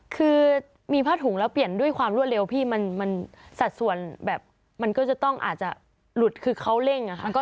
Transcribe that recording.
คือมีผ้าถุงแล้วเปลี่ยนด้วยความรวดเร็วพี่มันสัดส่วนแบบมันก็จะต้องอาจจะหลุดคือเขาเร่งอะค่ะ